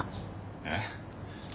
えっ？